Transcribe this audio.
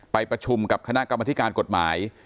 ประชุมกับคณะกรรมธิการกฎหมาย